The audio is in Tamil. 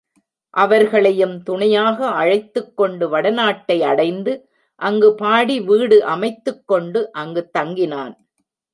அவர்களையும் துணையாக அழைத்துக் கொண்டு வடநாட்டை அடைந்து அங்குப் பாடி வீடு அமைத்துக் கொண்டு அங்குத் தங்கினான்.